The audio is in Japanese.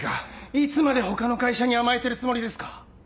いつまで他の会社に甘えてるつもりですか？